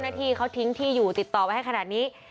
เจ้านาทีเขาทิ้งที่อยู่ติดต่อให้ขนาดนี้